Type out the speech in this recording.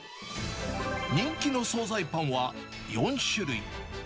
人気の総菜パンは４種類。